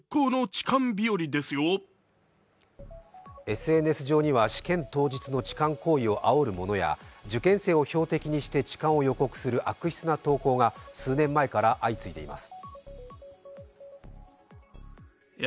ＳＮＳ上には、試験当日の痴漢行為をあおるものや受験生を標的にして痴漢を予告する悪質な投稿が数年前から相次いでいます。